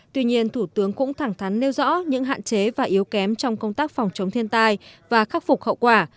tuy nhiên thủ tướng cũng thẳng thắn nêu rõ những hạn chế và yếu kém trong công tác phòng chống thiên tai và khắc phục hậu quả